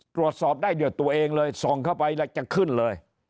ตรวจสอบได้เดือดตัวเองเลยส่องเข้าไปแล้วจะขึ้นเลย